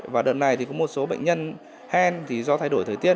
và đợt này thì có một số bệnh nhân hen thì do thay đổi thời tiết